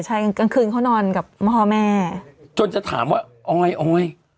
ใช่กลางคืนเขานอนกับพ่อแม่จนจะถามว่าออยออย